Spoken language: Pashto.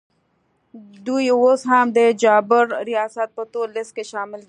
دوی اوس هم د جابر ریاست په تور لیست کي شامل دي